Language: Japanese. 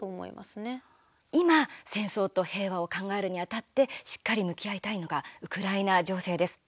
今、戦争と平和を考えるにあたってしっかり向き合いたいのがウクライナ情勢です。